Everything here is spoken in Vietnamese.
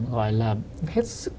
gọi là hết sức